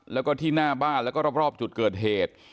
แล้วก็ที่หน้าบ้านแล้วก็รอบจุดเกิดเหตุ